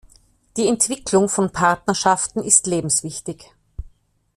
Die Entwicklung von Partnerschaften ist lebenswichtig.